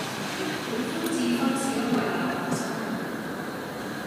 喜歡智勳是因為那份生命力